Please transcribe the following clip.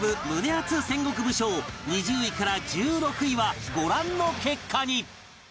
アツ戦国武将２０位から１６位はご覧の結果に